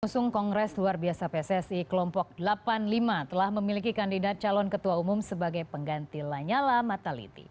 pengusung kongres luar biasa pssi kelompok delapan puluh lima telah memiliki kandidat calon ketua umum sebagai pengganti lanyala mataliti